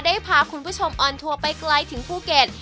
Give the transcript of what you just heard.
พาคุณผู้ชมออนทัวร์ไปไกลถึงภูเก็ต